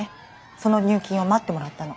その入金を待ってもらったの。